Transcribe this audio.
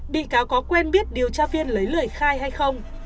bị cáo có quen biết điều tra viên lấy lời khai hay không